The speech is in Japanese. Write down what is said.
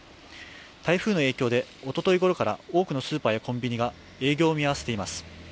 台風の影響でおとといごろから、多くのスーパーやコンビニが営業を見合わせています。